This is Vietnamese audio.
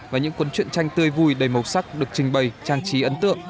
và những cuốn truyện tranh tươi vui đầy màu sắc được trình bày trang trí ấn tượng